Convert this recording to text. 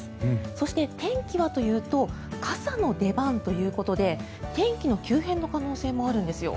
そして、天気はというと傘の出番ということで天気の急変の可能性もあるんです。